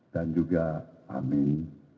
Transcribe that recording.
dan juga amin